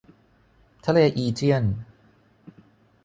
ทะเลอีเจียน